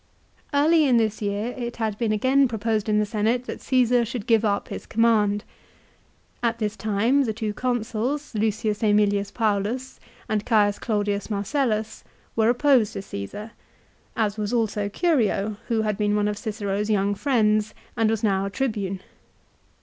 Early in this year it had been again proposed in the Senate B c. 50 ^ iat Caesar should give up his command. At this aetat. 57. time the two c onsu i s L ^Emilius Paulus and C. Claudius Marcellus were opposed to Caesar, as was also Curio, who had been one of Cicero's young friends, and was now Tribune.